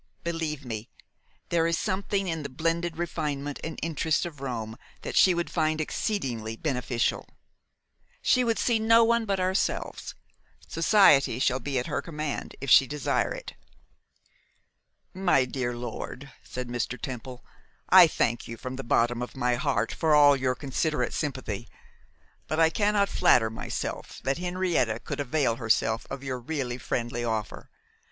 Believe me, there is something in the blended refinement and interest of Rome that she would find exceedingly beneficial. She would see no one but ourselves; society shall be at her command if she desire it.' 'My dear lord,' said Mr. Temple, 'I thank you from the bottom of my heart for all your considerate sympathy; but I cannot flatter myself that Henrietta could avail herself of your really friendly offer.